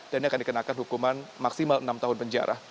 dan ini akan dikenakan hukuman maksimal enam tahun penjara